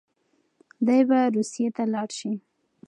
دی به روسيې ته لاړ شي.